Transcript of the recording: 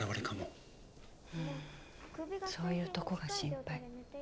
うんそういうとこが心配。